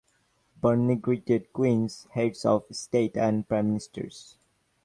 Barney greeted Queens, Heads of State, and Prime Ministers.